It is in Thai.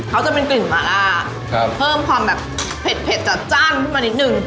เขาจะเป็นกลิ่นมาล่าเพิ่มความแบบเผ็ดจัดจ้านขึ้นมานิดนึง